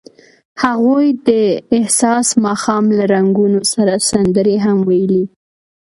هغوی د حساس ماښام له رنګونو سره سندرې هم ویلې.